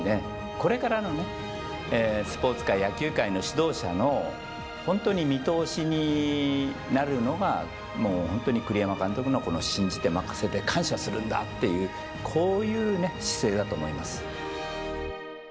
これからのスポーツ界、野球界の指導者の、本当に見通しになるのがもう本当に栗山監督のこの信じて、任せて、感謝するんだっていう、こういう姿勢だと思います。